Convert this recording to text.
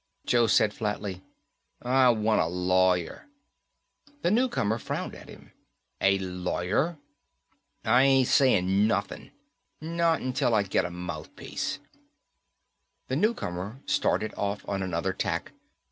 Joe said flatly, "I wanta lawyer." The newcomer frowned at him. "A lawyer?" "I'm not sayin' nothin'. Not until I get a mouthpiece." The newcomer started off on another tack.